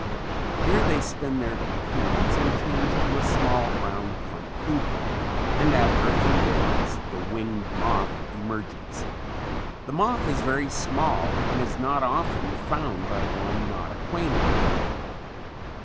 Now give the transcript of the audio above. Here they spin their cocoons and change to a small, brown, plump pupa and after a few days the winged moth emerges. The moth is very small and is not often found by one not acquainted with it.